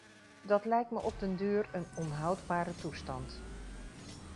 Dat lijkt me op den duur een onhoudbare toestand.